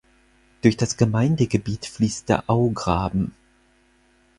Durch das Gemeindegebiet fließt der Augraben.